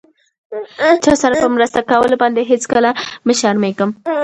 چاسره په مرسته کولو باندې هيڅکله مه شرميږم!